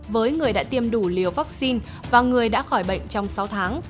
với người đã tiêm đủ liều vaccine và người đã khỏi bệnh trong sáu tháng